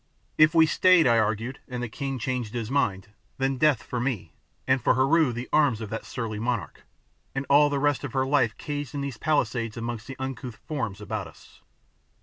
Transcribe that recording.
If we stayed, I argued, and the king changed his mind, then death for me, and for Heru the arms of that surly monarch, and all the rest of her life caged in these pallisades amongst the uncouth forms about us.